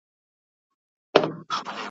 معجزه د اسمانونو له یزدانه تر انسان یم ,